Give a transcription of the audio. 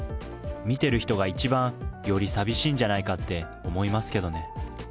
見てる人が一番、より寂しいんじゃないかって思いますけどね。